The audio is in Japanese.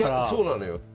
そうなのよ。